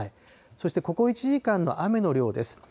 そしてここ１時間の雨の量です。